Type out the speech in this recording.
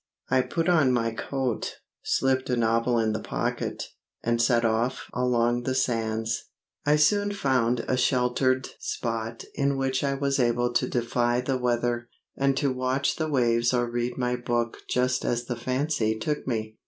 I put on my coat, slipped a novel in the pocket, and set off along the sands. I soon found a sheltered spot in which I was able to defy the weather, and to watch the waves or read my book just as the fancy took me.